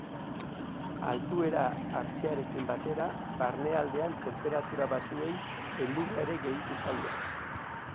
Altuera hartzearekin batera, barnealdean tenperatura baxuei elurra ere gehitu zaie.